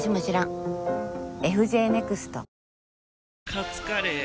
カツカレー？